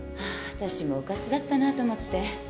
私もうかつだったなと思って。